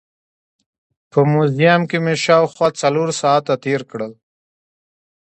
په موزیم کې مې شاوخوا څلور ساعت تېر کړل.